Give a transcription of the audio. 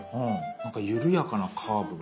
なんか緩やかなカーブが。